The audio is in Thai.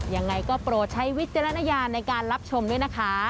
ยังไงก็โปรดใช้วิจารณญาณในการรับชมด้วยนะคะ